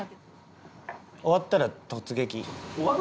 終わったら突撃。